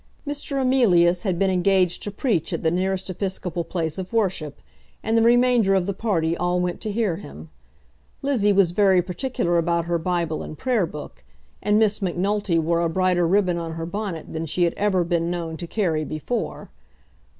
Mr. Emilius had been engaged to preach at the nearest episcopal place of worship, and the remainder of the party all went to hear him. Lizzie was very particular about her Bible and Prayer book, and Miss Macnulty wore a brighter ribbon on her bonnet than she had ever been known to carry before.